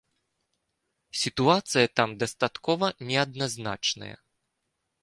Сітуацыя там дастаткова неадназначная.